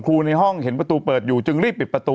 ในห้องเห็นประตูเปิดอยู่จึงรีบปิดประตู